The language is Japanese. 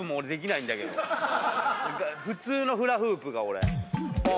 普通のフラフープが俺。